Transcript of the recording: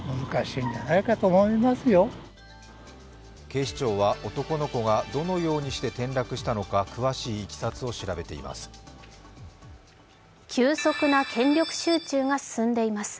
警視庁は男の子がどのようにして転落したのか詳しいいきさつを調べています。